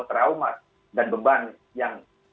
trauma dan beban yang